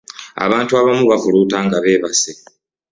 Abantu abamu bafuluta nga beebase.